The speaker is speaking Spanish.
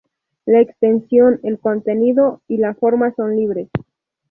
La extensión, el contenido y la forma son libres.